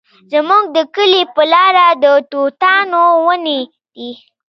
زموږ د کلي په لاره د توتانو ونې دي